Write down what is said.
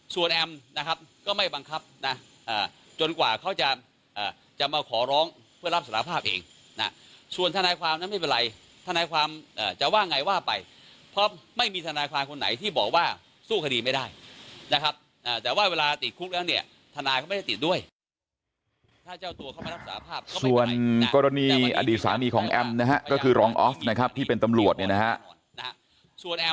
ส่วนกรณีอดีตสามารถของแอมนะฮะก็คือรองอฟนะครับที่เป็นตำรวจเนี่ยนะฮะ